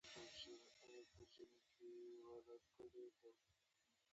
خولۍ د حاجي صاحب نښه ګڼل کېږي.